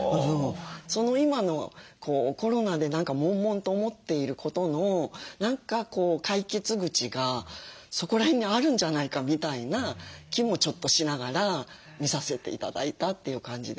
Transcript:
今のコロナで何かもんもんと思っていることの何か解決口がそこら辺にあるんじゃないかみたいな気もちょっとしながら見させて頂いたという感じでした。